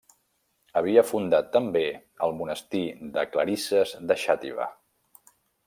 Havia fundat també el monestir de clarisses de Xàtiva.